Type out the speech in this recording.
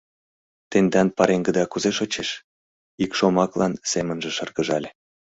Тендан пареҥгыда кузе шочеш? — ик шомаклан семынже шыргыжале.